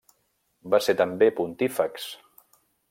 Va ser també Pontífex.